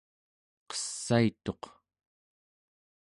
qessaituq